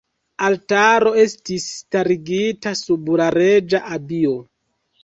Altaro estis starigita sub la reĝa abio.